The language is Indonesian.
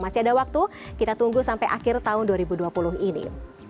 masih ada waktu kita tunggu sampai akhir tahun dua ribu dua puluh ini